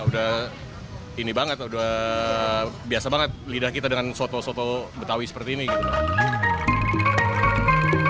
udah ini banget udah biasa banget lidah kita dengan soto soto betawi seperti ini gitu